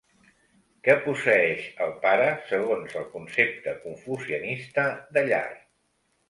Què posseeix el pare segons el concepte confucianista de llar?